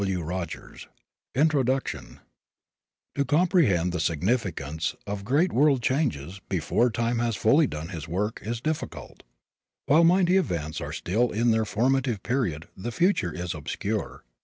W. Rogers 1917 PREFACE To comprehend the significance of great world changes, before Time has fully done his work, is difficult. While mighty events are still in their formative period the future is obscure.